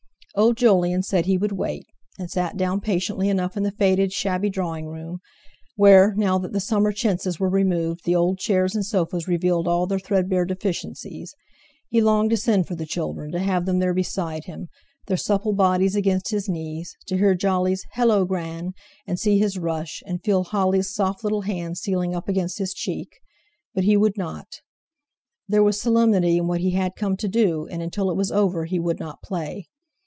Old Jolyon said he would wait; and sat down patiently enough in the faded, shabby drawing room, where, now that the summer chintzes were removed, the old chairs and sofas revealed all their threadbare deficiencies. He longed to send for the children; to have them there beside him, their supple bodies against his knees; to hear Jolly's: "Hallo, Gran!" and see his rush; and feel Holly's soft little hand stealing up against his cheek. But he would not. There was solemnity in what he had come to do, and until it was over he would not play.